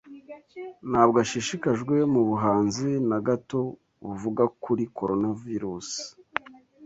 Ntabwo ashishikajwe nubuhanzi na gato buvuga kuri Coronavirus.